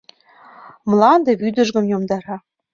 Мланде вӱдыжгым йомдара.